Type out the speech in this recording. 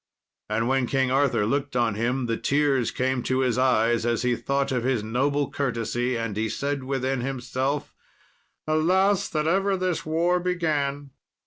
And when King Arthur looked on him the tears came to his eyes as he thought of his noble courtesy, and he said within himself, "Alas! that ever this war began."